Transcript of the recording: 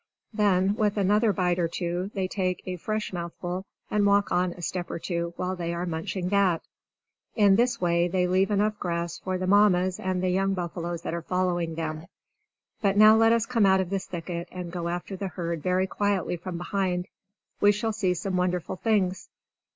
Then, with another bite or two, they take a fresh mouthful and walk on a step or two while they are munching that. In this way they leave enough grass for the Mammas and the young buffaloes that are following them. But now let us come out of this thicket, and go after the herd very quietly from behind. We shall see some wonderful things.